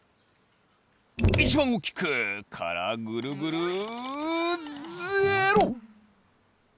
いちばんおおきく！からぐるぐるゼロ！